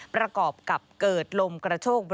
ประกอบกับเกิดลมกระโชก